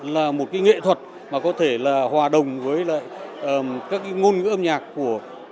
là một cái nghệ thuật mà có thể là hòa đồng với các ngôn ngữ